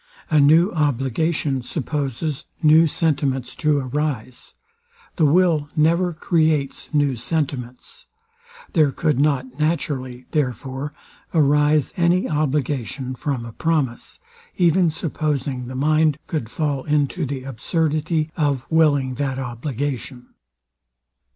A new obligation supposes new sentiments to arise. The will never creates new sentiments. There could not naturally, therefore, arise any obligation from a promise, even supposing the mind could fall into the absurdity of willing that obligation.